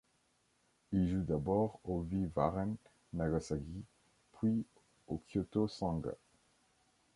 Il joue d'abord au V-Varen Nagasaki puis au Kyoto Sanga.